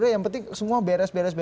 yang penting semua beres beres